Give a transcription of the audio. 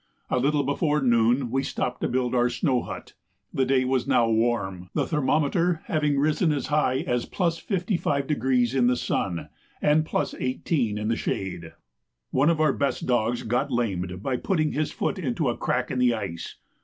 A little before noon we stopped to build our snow hut. The day was now warm, the thermometer having risen as high as +55° in the sun, and +18° in the shade. One of our best dogs got lamed by putting his foot into a crack in the ice.